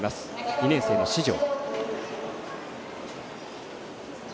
２年生の四條。